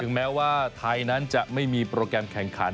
แม้ว่าไทยนั้นจะไม่มีโปรแกรมแข่งขัน